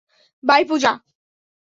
By, Puja.